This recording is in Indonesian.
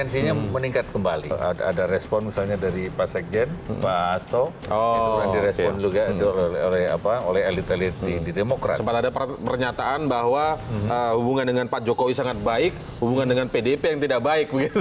sempat ada pernyataan bahwa hubungan dengan pak jokowi sangat baik hubungan dengan pdip yang tidak baik